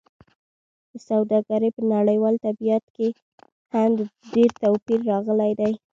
د سوداګرۍ په نړیوال طبیعت کې هم ډېر توپیر راغلی دی.